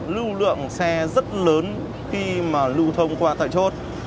lưu lượng xe rất lớn khi mà lưu thông qua tại chốt